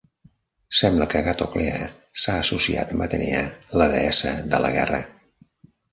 Sembla que Agatoclea s'ha associat amb Atenea, la deessa de la guerra.